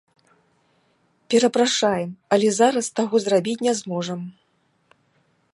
Перапрашаем, але зараз таго зрабіць не зможам.